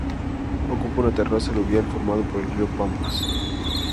Ocupa una terraza aluvial formado por el río Pampas.